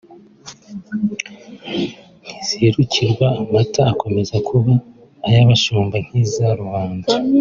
ntizikurirwa amata akomeza kuba ay’abashumba ) nk’iza rubanda”